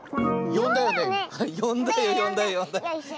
よんだよよんだよよんだよ。